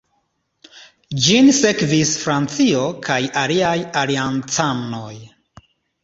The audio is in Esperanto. Ĝin sekvis Francio kaj aliaj aliancanoj.